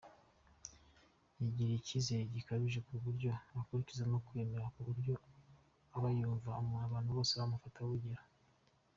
Yigirira ikizere gikabije ku buryo akurizamo kwiyemera ku buryo abayumva abantu bose bamufataho urugero .